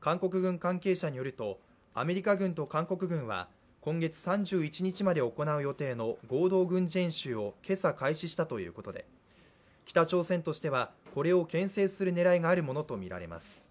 韓国軍関係者によると、アメリカ軍と韓国軍は今月３１日まで行う予定の合同軍事演習を今朝開始したということで、北朝鮮としてはこれをけん制する狙いがあるものとみられます。